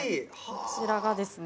こちらがですね